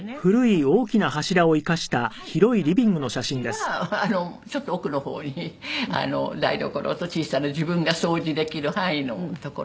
私はちょっと奥の方に台所と小さな自分が掃除できる範囲の所におりますけど。